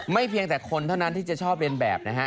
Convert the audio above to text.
เพียงแต่คนเท่านั้นที่จะชอบเรียนแบบนะฮะ